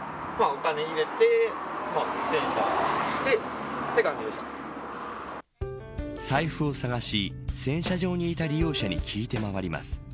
お金入れて洗車して財布を探し洗車場にいた利用者に聞いて回ります。